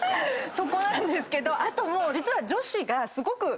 そこなんですけどあともう実は。